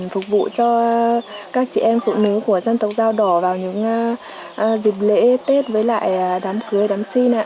phục vụ cho các chị em phụ nữ của dân tộc dao đỏ vào những dịp lễ tết với lại đám cưới đám xin ạ